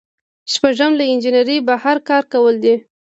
شپږم له انجنیری بهر کار کول دي.